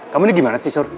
kamu ini gimana sih sur